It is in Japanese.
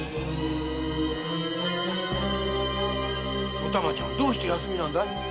お玉ちゃんどうして休みなんだい？